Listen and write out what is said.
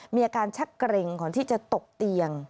มีอาการชักเกร็งก่อนที่จะตกเตียง